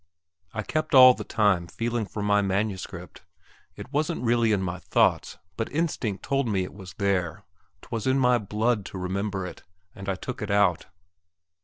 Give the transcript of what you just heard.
I kept all the time feeling for my manuscript. It wasn't really in my thoughts, but instinct told me it was there 'twas in my blood to remember it, and I took it out.